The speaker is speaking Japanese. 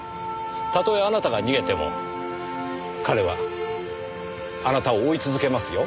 たとえあなたが逃げても彼はあなたを追い続けますよ。